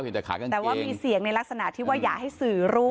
เห็นแต่ขาข้างเกงแต่ว่ามีเสียงในลักษณะที่ว่าอยากให้สื่อรู้